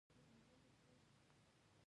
د لباس مهیا کولو خدماتو هم اغیزه لرلې ده